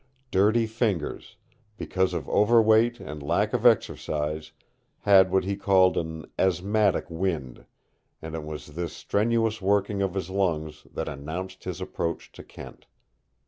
Dirty Fingers, because of overweight and lack of exercise, had what he called an "asthmatic wind," and it was this strenuous working of his lungs that announced his approach to Kent.